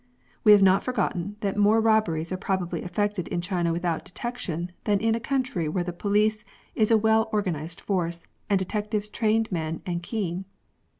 We have not forgotten that more robberies are probably effected in China without detection than in a country where the police is a well orc^anised force, and detectives trained men and keen.